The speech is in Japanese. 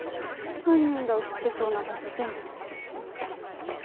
犯人が写ってそうな場所全部。